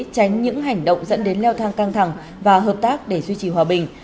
tránh những hành động dẫn đến leo thang căng thẳng và hợp tác để duy trì hòa bình